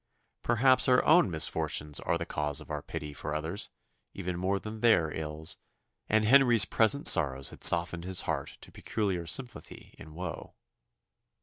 Perhaps our own misfortunes are the cause of our pity for others, even more than their ills; and Henry's present sorrows had softened his heart to peculiar sympathy in woe.